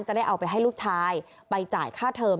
จะได้เอาไปให้ลูกชายไปจ่ายค่าเทอม